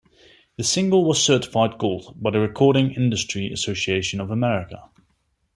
The single was certified Gold by the Recording Industry Association of America.